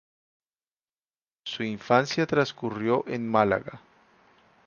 Su infancia transcurrió en Málaga.